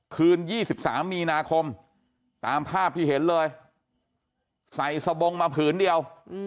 คืน๒๓มีนาคมตามภาพที่เห็นเลยใส่สบงมาผืนเดียว